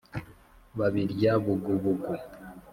Babirya bugubugu